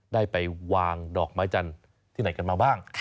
ได้ไปวางดอกไม้จันทร์ที่ไหนกันมาบ้าง